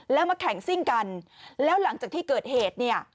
แล้วมาแข่งซิ่งกันแล้วหลังจากที่เกิดเหตุเนี่ย